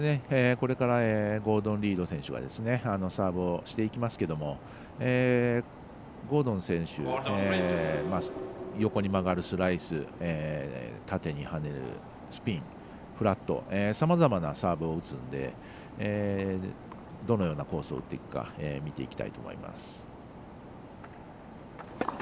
これからゴードン・リード選手がサーブをしてきますがゴードン選手横に曲がるスライス縦にはねるスピンフラットさまざまなサーブを打つのでどのようなコースを打っていくか見ていきたいと思います。